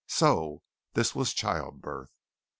So this was childbirth!